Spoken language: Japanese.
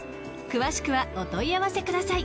［詳しくはお問い合わせください］